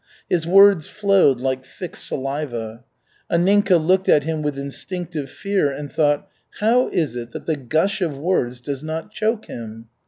His words flowed like thick saliva. Anninka looked at him with instinctive fear and thought, "How is it that the gush of words does not choke him?"